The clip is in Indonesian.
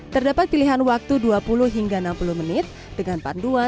terdapat pilihan waktu dua puluh hingga enam puluh menit dengan panduan